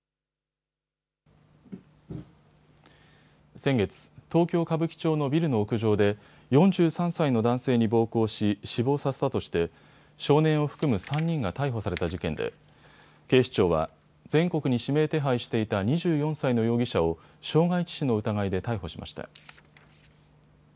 先月、東京歌舞伎町のビルの屋上で４３歳の男性に暴行し死亡させたとして少年を含む３人が逮捕された事件で警視庁は全国に指名手配していた２４歳の容疑者を傷害致死の疑いで逮捕しました。